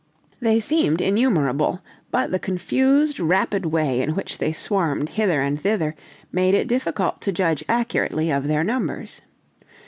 They saw innumerable; but the confused, rapid way in which they swarmed hither and thither, made it difficult to judge accurately of their numbers.